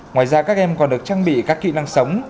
ngoài ra các em còn được trang bị các kỹ năng sống